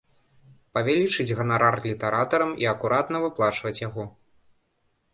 Павялічыць ганарар літаратарам і акуратна выплачваць яго.